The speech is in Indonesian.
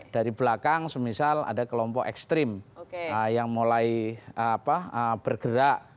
dari belakang semisal ada kelompok ekstrim yang mulai bergerak